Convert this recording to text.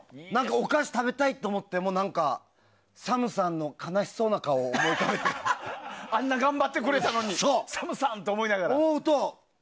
お菓子食べたいと思ってもＳＡＭさんの悲しそうな顔をあんな頑張ってくれたのにＳＡＭさんって思いながら。